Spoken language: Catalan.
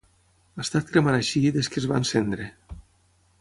Ha estat cremant així des que es va encendre.